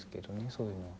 そういうのは。